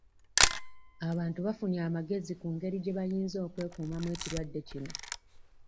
Abantu bafunye amagezi ku ngeri gye bayinza okwekuumamu ekirwadde kino.